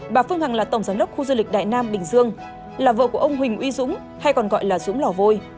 bà phương hằng là tổng giám đốc khu du lịch đại nam bình dương là vợ của ông huỳnh uy dũng hay còn gọi là dũng lò vôi